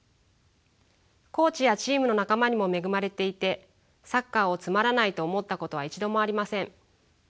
コーチやチームの仲間にも恵まれていてサッカーをつまらないと思ったことは一度もありません。